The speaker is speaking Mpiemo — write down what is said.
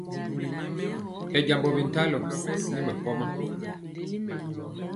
Hɛ jambɔ bintalɔ nɛ bikɔwa.